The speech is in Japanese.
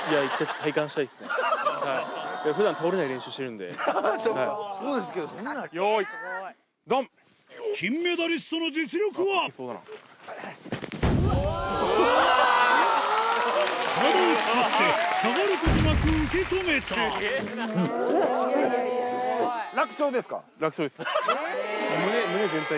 体を使って下がることなく受け止めたスゲェな。